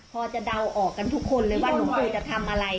พอจะเดาออกกันทุกคนเลยว่าหนุ่มกลุ่มจะทำอะไร